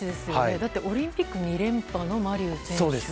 だって、オリンピック２連覇のマ・リュウ選手でしょ。